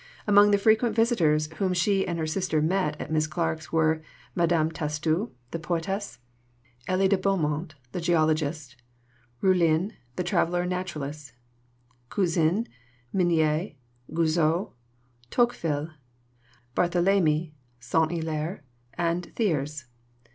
Among the frequent visitors whom she and her sister met at Miss Clarke's were Madame Tastu (the poetess), Élie de Beaumont (the geologist), Roulin (the traveller and naturalist), Cousin, Mignet, Guizot, Tocqueville, Barthélemy St. Hilaire, and Thiers.